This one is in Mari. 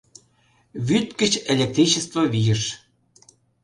«Вӱд гыч электричество вийыш...»